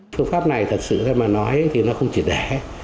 phương pháp này thật sự thay mà nói thì nó không chỉ để